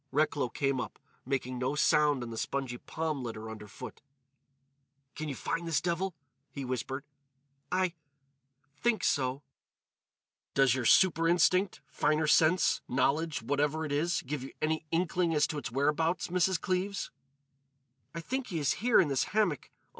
Recklow came up, making no sound on the spongy palm litter underfoot. "Can you find this devil?" he whispered. "I—think so." "Does your super instinct—finer sense—knowledge—whatever it is—give you any inkling as to his whereabouts, Mrs. Cleves?" "I think he is here in this hammock.